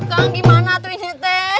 akang gimana tuh ini teh